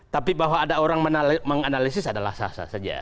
tapi bahwa ada orang menganalisis adalah sah sah saja